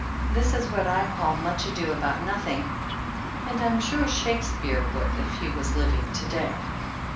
This is what I call much ado about noth ing, and I'm sure Shakespeare would if he was living to day.